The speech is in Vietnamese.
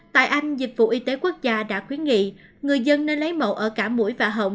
tại anh dịch vụ y tế quốc gia đã khuyến nghị người dân nên lấy mẫu ở cả mũi và hỏng